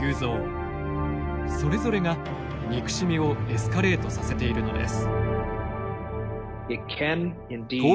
それぞれが憎しみをエスカレートさせているのです。